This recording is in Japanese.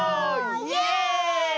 イエーイ！